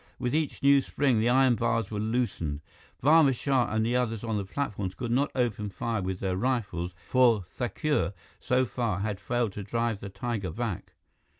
With each new spring, the iron bars were loosened. Barma Shah and the others on the platforms could not open fire with their rifles, for Thakur, so far, had failed to drive the tiger back.